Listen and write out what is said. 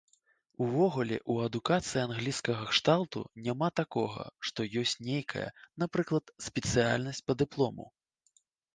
Увогуле ў адукацыі англійскага кшталту няма такога, што ёсць нейкая, напрыклад, спецыяльнасць па дыплому.